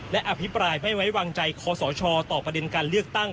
และอภิปรายไม่ไว้วางใจคอสชต่อประเด็นการเลือกตั้ง